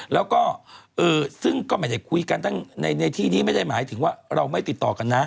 แล้วก็ซึ่งก็ไม่ได้คุยกันตั้งในที่นี้ไม่ได้หมายถึงว่าเราไม่ติดต่อกันนะ